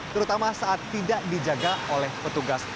terutama saat tidak dijaga oleh petugas